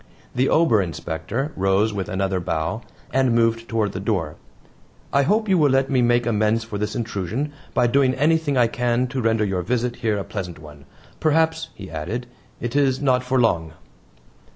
The Ober Inspector rose with another bow, and moved toward the door. "I hope you will let me make amends for this intrusion by doing anything I can to render your visit here a pleasant one. Perhaps," he added, "it is not for long."